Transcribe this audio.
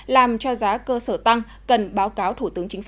làm cho giá cơ sở tăng cần báo cáo thủ tướng chính phủ